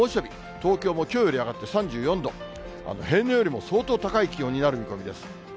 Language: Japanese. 東京もきょうより上がって３４度、平年よりも相当高い気温になる見込みです。